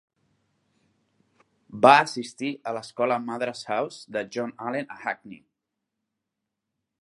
Va assistir a l'escola Madras House de John Allen a Hackney.